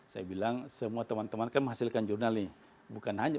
saya bilang semua teman teman kan menghasilkan jurnal ini